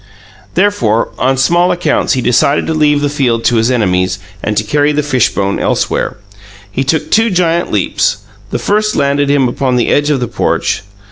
Therefore, on small accounts he decided to leave the field to his enemies and to carry the fishbone elsewhere. He took two giant leaps. The first landed him upon the edge of the porch.